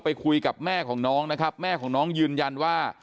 ไปคุยกับแม่ของน้องนะครับแม่ของน้องยืนยันว่า